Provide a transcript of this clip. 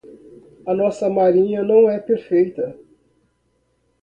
A nossa marinha não é perfeita.